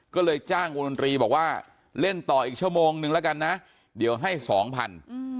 ก็เลยจ้างวงดนตรีบอกว่าเล่นต่ออีกชั่วโมงนึงแล้วกันนะเดี๋ยวให้สองพัน